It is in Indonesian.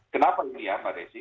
kenapa india mbak desi